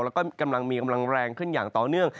แล้วก็กำลังมีกำลังแรงขึ้นอย่างต่อเนื่อง